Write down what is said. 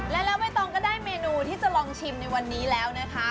และแล้วใบตองก็ได้เมนูที่จะลองชิมในวันนี้แล้วนะคะ